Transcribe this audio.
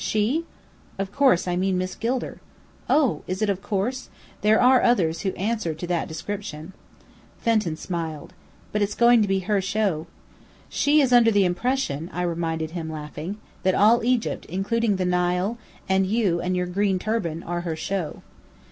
"She?" "Of course I mean Miss Gilder." "Oh! Is it 'of course'? There are others who answer that description." Fenton smiled. "But it's going to be her show." "She is under the impression," I reminded him, laughing, "that all Egypt, including the Nile, and you and your green turban, are her 'show'."